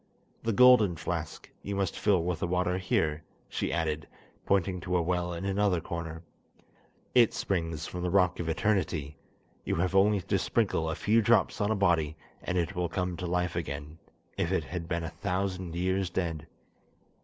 The golden flask you must fill with the water here," she added, pointing to a well in another corner. "It springs from the rock of eternity; you have only to sprinkle a few drops on a body and it will come to life again, if it had been a thousand years dead."